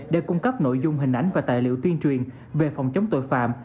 để cung cấp nội dung hình ảnh và tài liệu tuyên truyền về phòng chống tội phạm